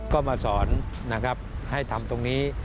ก็มาสอนนะครับให้ทำตรงนี้